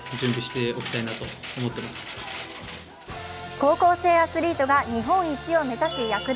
高校生アスリートが日本一を目指し、躍動。